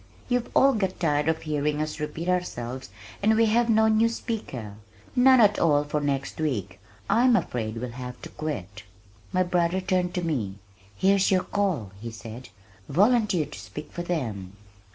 "You've all got tired of hearing us repeat ourselves and we have no new speaker, none at all for next week. I am afraid we'll have to quit." My brother turned to me "Here's your 'call,'" he said. "Volunteer to speak for them."